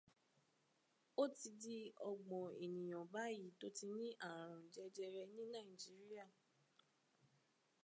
Ó ti di ọgbọ̀n ènìyàn báyìí tó ti ní ààrùn jẹjẹrẹ ní Nàìjíríà.